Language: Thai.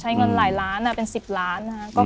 ใช้เงินหลายล้านเป็นสิบล้านนะฮะ